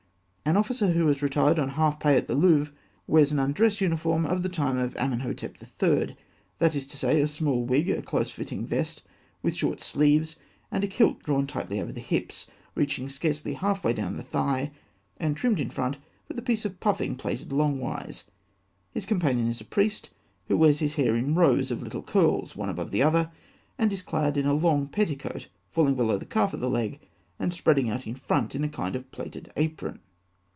An officer who has retired on half pay at the Louvre (fig. 243) wears an undress uniform of the time of Amenhotep III.; that is to say, a small wig, a close fitting vest with short sleeves, and a kilt drawn tightly over the hips, reaching scarcely half way down the thigh, and trimmed in front with a piece of puffing plaited longwise. His companion is a priest (fig. 244), who wears his hair in rows of little curls one above the other, and is clad in a long petticoat falling below the calf of the leg and spreading out in front in a kind of plaited apron.